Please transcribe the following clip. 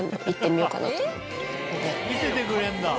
見せてくれんだ。